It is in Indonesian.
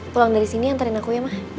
pulang dari sini antarin aku ya mah